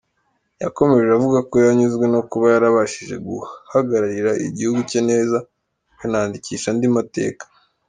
Yakomeje avuga ko yanyuzwe no kuba yarabashije guhagararira igihugu cye neza akanandikisha andi mateka.